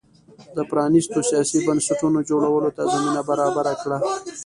د پرانیستو سیاسي بنسټونو جوړولو ته زمینه برابره کړه.